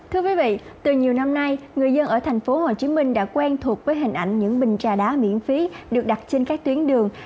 thưa quý vị từ nhiều năm nay người dân ở thành phố hồ chí minh đã quen thuộc với hình ảnh những bình trà đá miễn phí được đặt trên các tuyến đường